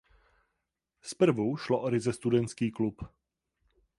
Zprvu šlo o ryze studentský klub.